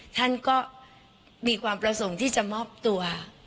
ท่านก็มีความประสงค์ที่จะมอบตัว